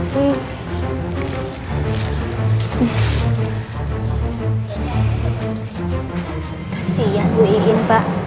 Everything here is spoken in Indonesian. kasih ya ibu iin pak